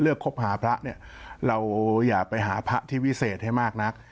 เลือกคบหาพระเราอย่าไปหาพระที่วิเศษให้มากนัก